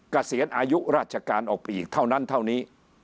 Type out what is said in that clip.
เกษียณอายุราชการออกไปอีกเท่านั้นเท่านี้